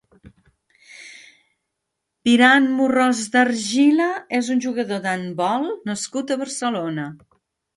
Viran Morros de Argila és un jugador d'handbol nascut a Barcelona.